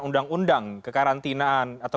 undang undang kekarantinaan atau